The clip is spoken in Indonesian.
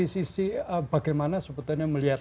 sisi bagaimana sebetulnya melihat